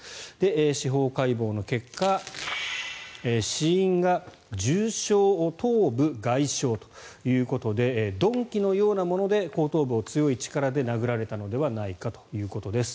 司法解剖の結果死因が重症頭部外傷ということで鈍器のようなもので後頭部を強い力で殴られたのではないかということです。